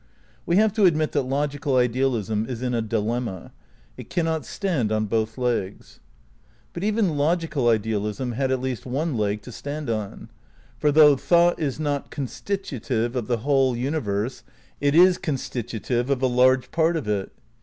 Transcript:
"We have to admit that logical idealism is in a dilemma. It cannot stand on both legs. But even logical idealism had at least one leg to stand on. For though thought is not constitutive of the whole universe it is constitutive of a large part of it.